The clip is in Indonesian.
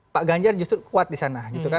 pak ganjar justru kuat di sana